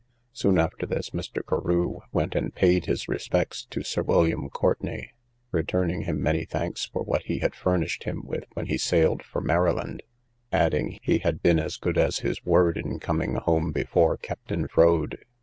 Soon after this Mr. Carew went and paid his respects to Sir William Courtenay, returning him many thanks for what he had furnished him with when he sailed for Maryland; adding, he had been as good as his word, in coming home before Captain Froade.